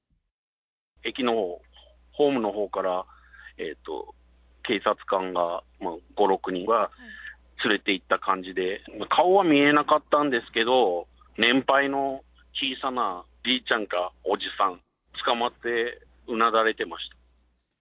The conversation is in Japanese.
駅のホームのほうから、警察官が５、６人で連れていった感じで、顔は見えなかったんですけど、年配の小さなじいちゃんかおじさん、捕まってうなだれてました。